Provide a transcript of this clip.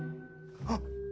あっ！